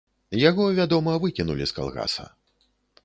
Яго, вядома, выкінулі з калгаса.